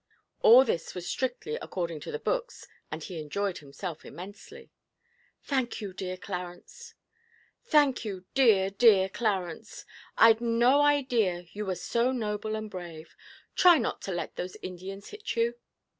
All this was strictly according to the books, and he enjoyed himself immensely. 'Thank you, dear, dear Clarence. I'd no idea you were so noble and brave. Try not to let those Indians hit you.'